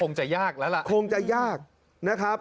จะยากแล้วล่ะคงจะยากนะครับ